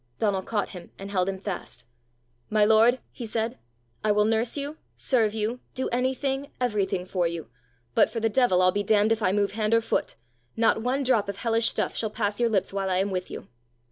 Donal caught him and held him fast. "My lord," he said, "I will nurse you, serve you, do anything, everything for you; but for the devil I'll be damned if I move hand or foot! Not one drop of hellish stuff shall pass your lips while I am with you!"